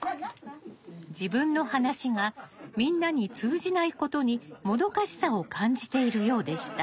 自分の話がみんなに通じないことにもどかしさを感じているようでした。